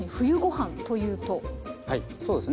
はいそうですね。